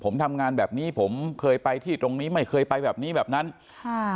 ผมทำงานแบบนี้ผมเคยไปที่ตรงนี้ไม่เคยไปแบบนี้แบบนั้นค่ะ